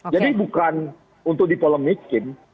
jadi bukan untuk dipolemikin